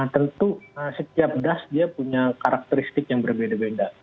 tentu setiap das dia punya karakteristik yang berbeda beda